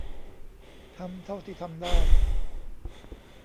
ทำเท่าที่ทำได้